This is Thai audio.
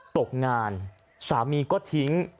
ตกงานสามีก็ทิ้ง